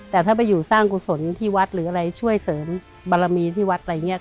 แต่ถ้าไปอยู่สร้างกุศลที่วัดหรืออะไรช่วยเสริมบารมีที่วัดอะไรอย่างนี้